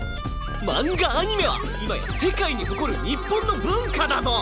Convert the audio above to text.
漫画アニメは今や世界に誇る日本の文化だぞ！